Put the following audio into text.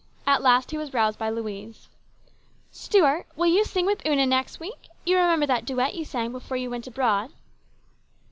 At last he was roused by Louise. " Stuart, will you sing with Una next week ? You remember that duet you sang before you went abroad